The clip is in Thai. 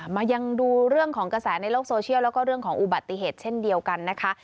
มายังดูเรื่องของกระแสในโลกโซเชียลแล้วก็เรื่องของอุบัติเหตุเช่นเดียวกันนะคะ